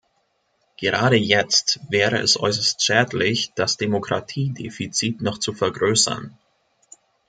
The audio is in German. Gerade jetzt wäre es äußerst schädlich, das Demokratiedefizit noch zu vergrößern.